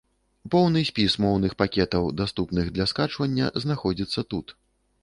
Поўны спіс моўных пакетаў, даступных для скачвання, знаходзіцца тут.